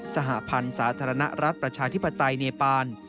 สหพันธ์สาธารณรัฐประชาธิปไตยเนปาน